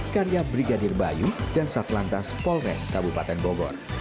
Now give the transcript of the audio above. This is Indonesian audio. karya brigadir bayu dan satlantas polres kabupaten bogor